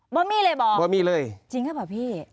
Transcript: บ่อมี่เลยบ่อจริงหรือเปล่าพี่บ่อมี่เลย